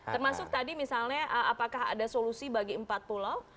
termasuk tadi misalnya apakah ada solusi bagi empat pulau